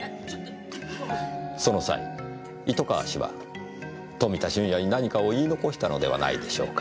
その際糸川氏は富田俊也に何かを言い残したのではないでしょうか。